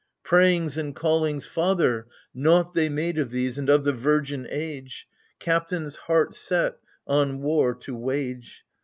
Prayings and callings " Father" — naught they made Of these, and of the virgin age, — Captains heart set on war to wage